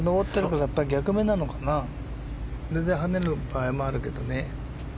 それで跳ねる場合もあるけどね。